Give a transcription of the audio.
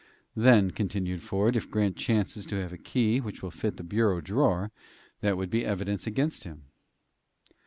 "Then," continued Ford, "if Grant chances to have a key which will fit the bureau drawer, that would be evidence against him."